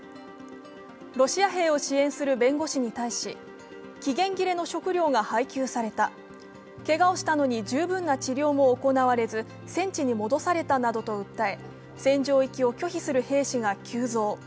ロシア兵を支援する弁護士に対し、期限切れの食料が配給された、けがをしたのに十分な治療も行われず戦地に戻されたなどと訴え戦場行きを拒否する兵士が急増。